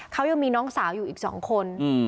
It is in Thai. เขายังมีน้องสาวอยู่อีก๒คน